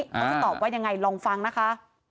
ตอบว่ายังไงลองฟังนะคะ